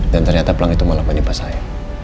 dan ternyata plank itu malah menimpa saya